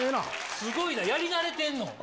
すごいな、やり慣れてんの？